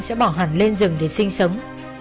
sẽ bỏ hẳn lên rừng để sinh sống